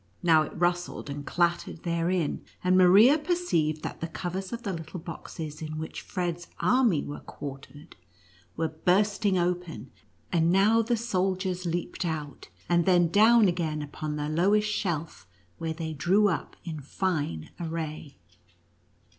Now it rustled and clattered therein, and Maria perceived that the covers of the little boxes in which Fred's army were quartered, were burst ing open, and now the soldiers leaped out, and then down again upon the lowest shelf, where they drew up in fine array.